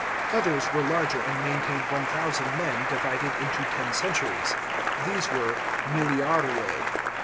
Others were larger and contained 1000 men divided into ten centuries ; these were milliariee.